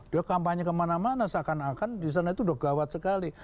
dia kampanye kemana mana seakan akan di sana itu udah gawat sekali